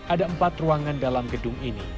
ada empat ruangan dalam gedung ini